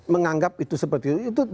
menganggap itu seperti itu